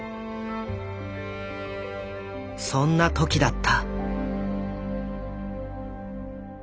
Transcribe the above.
そんな時だった。